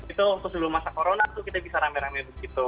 itu waktu sebelum masa corona tuh kita bisa rame rame begitu